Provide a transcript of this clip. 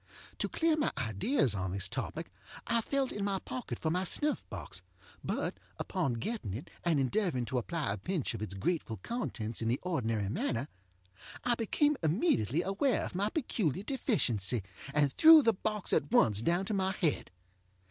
To clear my ideas on this topic I felt in my pocket for my snuff box, but, upon getting it, and endeavoring to apply a pinch of its grateful contents in the ordinary manner, I became immediately aware of my peculiar deficiency, and threw the box at once down to my head.